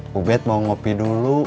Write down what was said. bu bet mau ngopi dulu